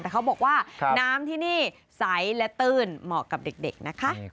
แต่เขาบอกว่าน้ำที่นี่ใสและตื้นเหมาะกับเด็กนะคะ